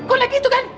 kau naik itu kan